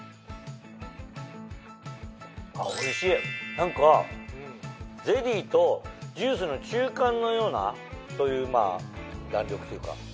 何かゼリーとジュースの中間のようなそういう弾力というか。